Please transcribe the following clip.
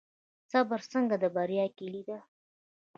صبر څنګه د بریا کیلي ده؟